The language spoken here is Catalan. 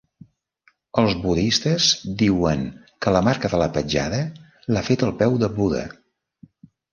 Els budistes diuen que la marca de la petjada l'ha fet el peu de Buda.